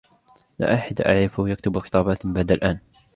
لا أحد أعرفهُ يكتب خِطابات بعد الآن.